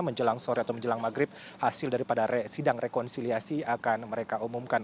menjelang sore atau menjelang maghrib hasil daripada sidang rekonsiliasi akan mereka umumkan